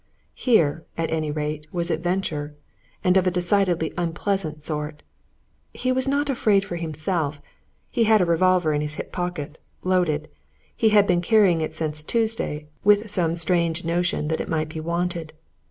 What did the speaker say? Here, at any rate, was adventure! and of a decidedly unpleasant sort. He was not afraid for himself. He had a revolver in his hip pocket, loaded he had been carrying it since Tuesday, with some strange notion that it might be wanted.